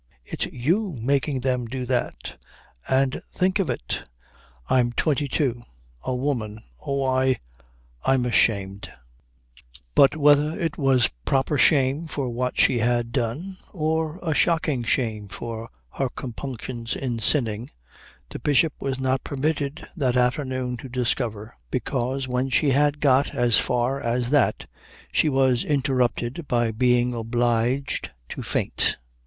It's you making them do that. And think of it I'm twenty two. A woman. Oh, I I'm ashamed " But whether it was a proper shame for what she had done or a shocking shame for her compunctions in sinning, the Bishop was not permitted that afternoon to discover; because when she had got as far as that she was interrupted by being obliged to faint.